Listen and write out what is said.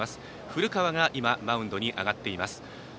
古川がマウンドに上がっています。